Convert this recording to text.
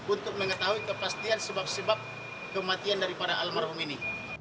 untuk mengetahui kepastian sebab sebab kematian daripada almarhum ini